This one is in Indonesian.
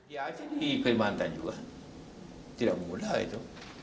ya aja di kalimantan juga tidak mudah itu